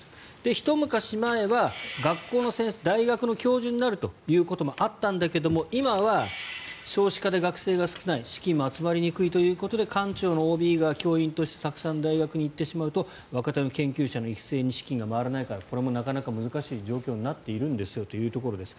ひと昔前は大学の教授になるということもあったんだけど今は少子化で学生が少ない資金が集まりにくいということで官庁のＯＢが教員としてたくさん大学に行ってしまうと若手の研究者の育成に資金が回らないからこれもなかなか難しい状況になっているんですよというところです。